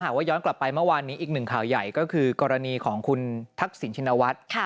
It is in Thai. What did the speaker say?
ว่าย้อนกลับไปเมื่อวานนี้อีกหนึ่งข่าวใหญ่ก็คือกรณีของคุณทักษิณชินวัฒน์